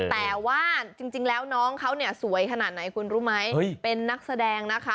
แต่ว่าจริงแล้วน้องเขาเนี่ยสวยขนาดไหนคุณรู้ไหมเป็นนักแสดงนะคะ